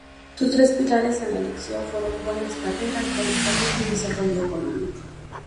Sus tres pilares en la elección fueron: "buenas carreteras, buena salud y desarrollo económico".